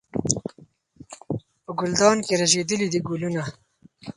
په ګلدان کې رژېدلي دي ګلونه